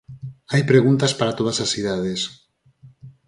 Hai preguntas para todas as idades.